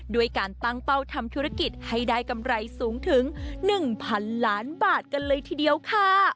ด้วยการตั้งเป้าทำธุรกิจให้ได้กำไรสูงถึง๑๐๐๐ล้านบาทกันเลยทีเดียวค่ะ